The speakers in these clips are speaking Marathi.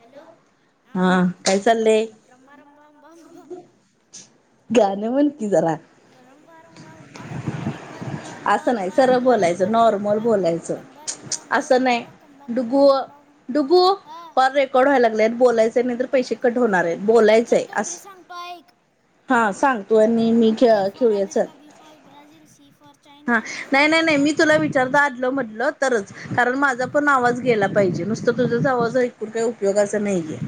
हॅलो हा, काय चाललंय रंबा रंबा हंबाहंबा गाणं म्हण कि जरा [unintelligible] रंबा रंबा अंबा अंबा असं नाही सरळ अंबा बोलायचं नॉर्मल बोलायचं असं नाही कंबा कबा डुगू कबा डुगू हं कॉल रेकॉर्ड व्हाय लागलय, बोलायचं नाहीतर पैसे कट होणार आहे, ए टू झेड बोलायचंय कंट्री असं. सांगतो ऐक हा सांग,, तू आणि मी ए फॉर खेळयाचं,,, America B for Brazil C for हा चायना डी फॉर नाही नाही नाही मी डेन्मार्क तुला तुला विचारतो आधलं मधलं तरचं कारण माझा पण आवाज गेला पाहिजे नुसतं तुझ्याचा आवाज एकूण काही उपयोगाचा नाहीये.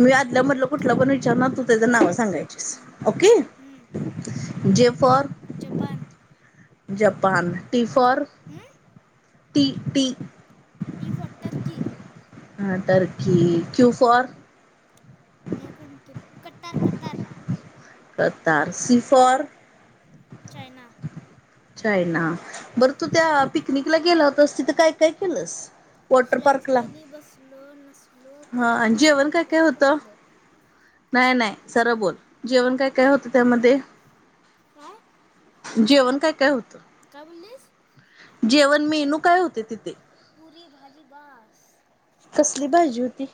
मी आदल्यामधलं कुठला पण विचारणार तू त्याचं नाव सांगायचीस ओके. हम्म, J for. Japan. Japan T for, T T. T for Turkey. हा टर्की, क्यु फॉर. नोकडण तरी Qatar Qatar. Qatar, C for. [inaudible] China. [inaudible] China. बरं तू त्या पिकनिकला गेला होतास तिथं काय-काय केलस? स्लाइड्स केली, बसलो, नसलो, हा आणि कचलो, डान्स केलो, कटलो. नाही-नाही सरळ बोल, जेवण काय-काय होतं त्यामध्ये? [inaudible] जेवण काय-काय होत? काय बोललीस? [inaudible] जेवण मेनू काय होते तिथे? पुरी-भाजी बास. कसली भाजी होती?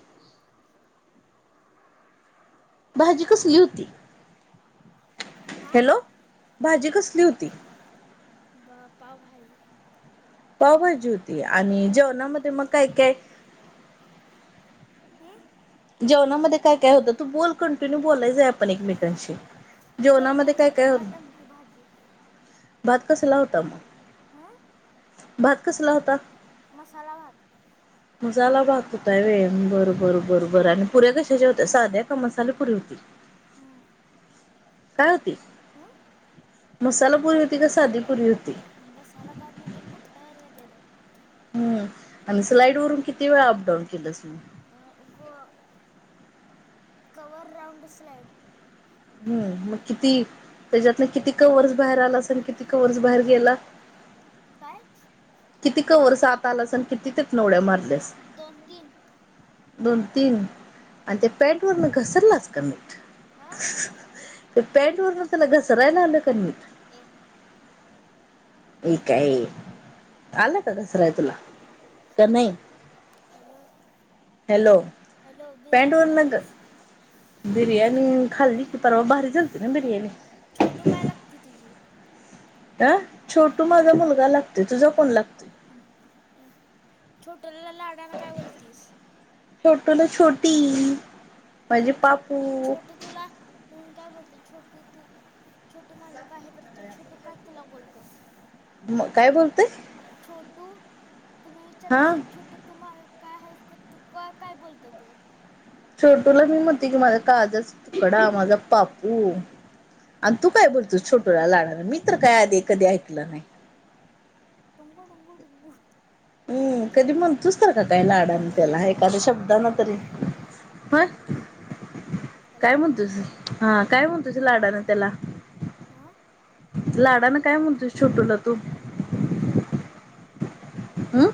भाजी कसली होती? हा. हॅलो, भाजी कसली होती? बा पाव भाजी. पाव भाजी होती आणि जेवणामध्ये मग काय-काय हम्म जेवणामध्ये काय-काय होतं? तू बोल कंटिन्यू बोलायच आहे आपण एकमेकांशी. काय जेवणामध्ये काय होत भात, आमटी, भाजी. भात कसंला होता मग? हम्म भात कसला होता? मसाला भात. [inaudible] मसाला भात होता व्हय, बर बर बर बर आणि पुऱ्या कशाच्या होत्या साध्या का मसाले पुरी होते? हम्म काय होती? हम्म मसाला पुरी होती का साधी पुरी होती? मसाला भातमध्ये मटर वगैरे. हम् आणि स्लाईड वरून किती वेळा अपडाऊन केलंस तु? आ गो [inaudible] कवर राऊंड स्लाड. हम् मग किती त्याच्यात ना किती कवर्स बाहेर आला असेल किती कवर्स बाहेर गेला? काय? किती कवर्स आात आला असल किती तिथन उड्या मारल्यास? दोन-तीन. दोन-तीन आणि त्या पॅट वर घसरलाच का नीट? हा ते पॅंट वर तुला घसरायला आलं क. [unintelligible] एक एका ए आलं का घसराय तुला का नाही? हॅलो. हॅलो, हॅलो पॅट बिर्याणी वर न ग खाल्लीस? बिर्यानी खाल्ली की परवा भारी झालती ना बिर्यानी. छोटू काय लागते तुझी? अ छोटू माझा मुलगा लागतोय, तुझा कोण लागतोय? छोटूला लाडान काय बोलतीस? छोटू ना छोटी,, म्हणजे छो पापू छोटू तुला,,, म्हणून काय बोलती,, छोटू तू छोट माझे काय आहे तर तो छोटू काय तुला बोलतो.. म काय बोलतय? छोटू, तू नाही हा चडलीस, छोटू तू मार काय आहेच तर तू का काय बोलतो तो? छोटूला मी म्हणतोय की माझा काळजाचा तुकडा,, माझा पापू. आणि तू काय बोलतोस छोटूला लाडानं, मी तर्काय आधी कधी ऐकलं नाही. तुंगू डुंगू डुंगूर हम्म,, कधी म्हणतूस तर का काय लाडानं त्याला एखाद्या शब्दानं तरी‌. आठ वर्ष काय म्हणतुस,, हा काय म्हणतुस लाडानं त्यला? हा लाडानं काय म्हणतूस छोटूला तू? छोटू. हम्म,,,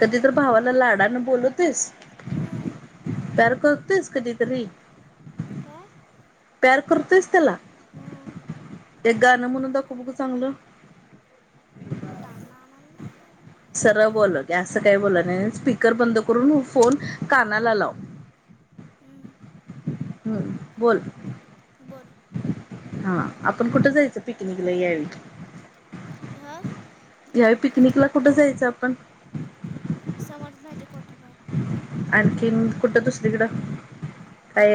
कधी तर भावाला लाडानं बोलवतोस,? हम्म प्यार करतूयस कधीतरी काय. प्यार करतुमस त्याला, नाही हम्म त्याला एक गाणं म्हणून दाखव बघू चांगलं. त्यांना गंना ना ना ना, सरळ बोल, हे असं काही बोलला नाही, स्पीकर बंद करून फोन कानाला लाव. हम्म बोल. बोल. हा,, आपण कुठं जायचं पिकनिकला यावेळी? हा यावेळी पिकनिकला कुठं जायचं आपण? समर्थनाज वॉटर पार्क. आणखी कुठं दुसरीकडं? काय